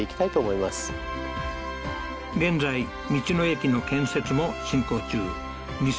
現在道の駅の建設も進行中